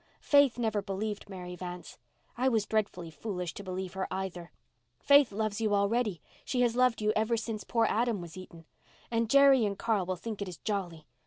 Faith never believed Mary Vance. I was dreadfully foolish to believe her, either. Faith loves you already—she has loved you ever since poor Adam was eaten. And Jerry and Carl will think it is jolly.